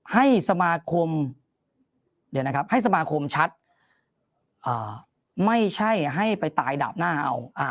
ให้สมาคมเดี๋ยวนะครับให้สมาคมชัดไม่ใช่ให้ไปตายดาบหน้าเอา